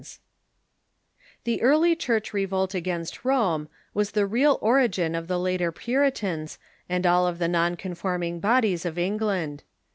] The early English revolt against Rome was the real origin of the later Puritans and all the non conforming bodies of England.